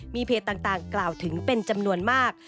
มีเพจต่างกล่าวถึงเป็นจำนวนมาก